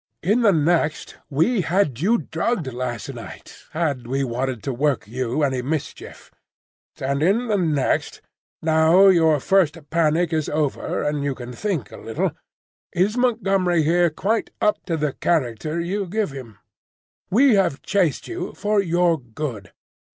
In the next, we had you drugged last night, had we wanted to work you any mischief; and in the next, now your first panic is over and you can think a little, is Montgomery here quite up to the character you give him? We have chased you for your good.